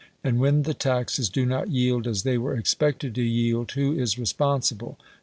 And when the taxes do not yield as they were expected to yield, who is responsible?